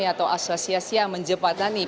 saya juga sudah khai ya karena saya tinggal